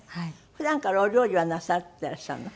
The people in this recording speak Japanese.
普段からお料理はなさってらっしゃるの？